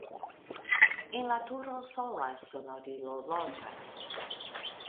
En la turo sola sonorilo loĝas.